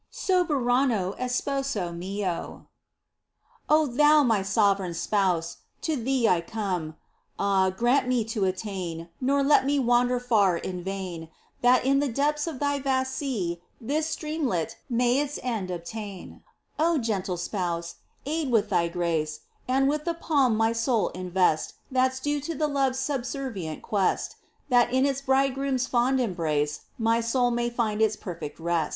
Soberano Esposo mío. Thou my sovereign Spouse ! To Thee 1 come. Ah, grant me to attain. Nor let me wander far in vain. That in the depths of Thy vast sea This streamlet may its end obtain ! O gentle Spouse ! Aid with Thy grace. And with the palm my soul invest That's due to love's subservient quest, That in its Bridegroom's fond embrace My soul may find its perfect rest